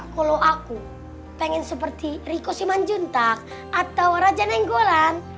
kalau aku pengen seperti riko simanjuntak atau raja nenggolan